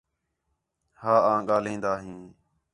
ہا آں ڳاھلین٘دا ہیں